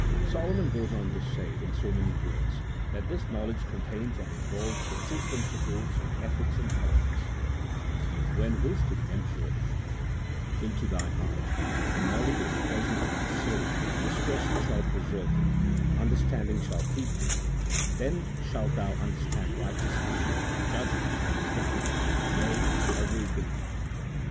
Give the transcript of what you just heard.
Solomon goes on to say in so many words that this knowledge contains and involves the true prin ciples of ethics and politics :" When wisdom entereth into thy heart, and knowledge is pleasant to thy soul, discretion shall preserve thee, understanding shall keep thee, then shalt thou understand righteousness > and judgment, and •equity, yea every good path."